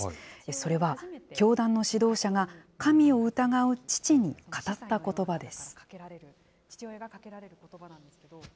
それは、教団の指導者が神を疑う父に語ったことばです。